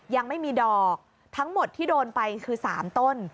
ยังไม่มีดอกทั้งหมดที่โดนไปคือ๓ต้น